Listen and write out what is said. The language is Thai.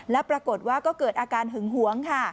และปรากฏว่าก็เกิดอาการหึงหวงค่ะ